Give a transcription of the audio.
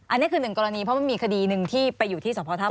อันนี้คือหนึ่งกรณีเพราะมันมีคดีหนึ่งที่ไปอยู่ที่สพท่า